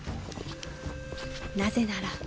［なぜなら］